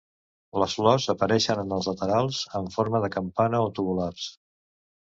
Les flors apareixen en els laterals, en forma de campana o tubulars.